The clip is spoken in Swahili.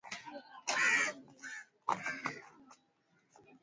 Aliyekuwa Rais wa Tanzania John Magufuli aliomba ridhaa ndani ya Chama